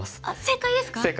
あっ正解ですか？